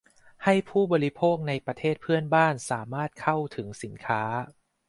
ให้ผู้บริโภคในประเทศเพื่อนบ้านสามารถเข้าถึงสินค้า